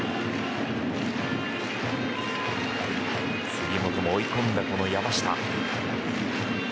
杉本を追い込んだ山下。